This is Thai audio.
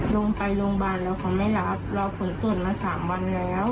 ลงไปโรงพยาบาลแล้วเขาไม่รับรอผลตรวจมา๓วันแล้ว